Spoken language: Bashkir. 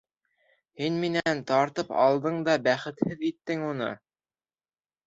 Һин минән тартып алдың да бәхетһеҙ иттең уны.